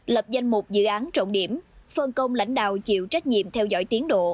lập danh mục dự án trọng điểm phân công lãnh đạo chịu trách nhiệm theo dõi tiến độ